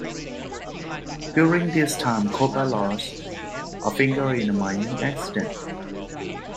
During this time Kopa lost a finger in a mining accident.